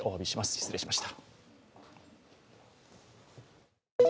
失礼しました。